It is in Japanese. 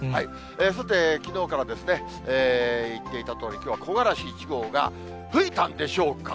さて、きのうからですね、言っていたとおり、きょうは木枯らし１号が吹いたんでしょうか。